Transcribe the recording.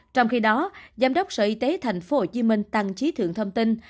trong khi đó giám đốc sở y tế tp hcm tăng trí thượng thông tin